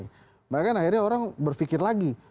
tapi sekarang kan akhirnya orang berpikir lagi